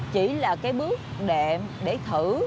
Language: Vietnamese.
chỉ là cái bước để thử